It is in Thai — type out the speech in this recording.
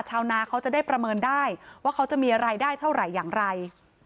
ชาวนาเขาจะได้ประเมินได้ว่าเขาจะมีรายได้เท่าไหร่อย่างไร